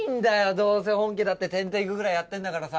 どうせ本家だって１０テイクぐらいやってんだからさ。